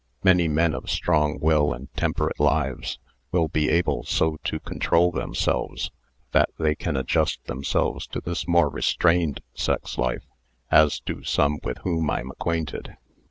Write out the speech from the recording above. Many men of strong will and temperate lives will be able so to control themselves that they can adjust themselves to this more restrained sex life, as do some with whom I am acquainted.